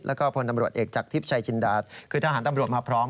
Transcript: และพลออจักทฤษัยชินดาคือทหารตำรวจมาพร้อม